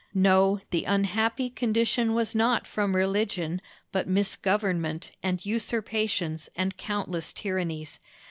No, the unhappy condition was not from religion, but misgovernment and usurpations and countless tyrannies.